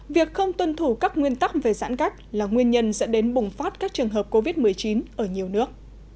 việc không tuân thủ các nguyên tắc về giãn cách là nguyên nhân dẫn đến bùng phát các trường hợp covid một mươi chín ở nhiều nước